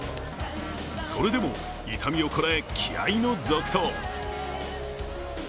それでも痛みをこらえ、気合いの続投。